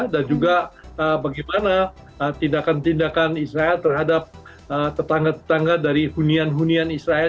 dan juga bagaimana tindakan tindakan israel terhadap tetangga tetangga dari hunian hunian israel